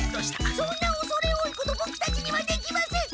そんなおそれ多いことボクたちにはできません。